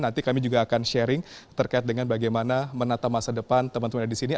nanti kami juga akan sharing terkait dengan bagaimana menata masa depan teman teman yang ada di sini